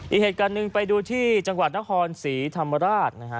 อีกเหตุการณ์หนึ่งไปดูที่จังหวัดนครศรีธรรมราชนะฮะ